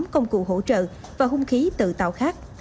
một mươi bốn tám trăm hai mươi tám công cụ hỗ trợ và hung khí tự tạo khác